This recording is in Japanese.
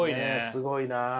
すごいなあ。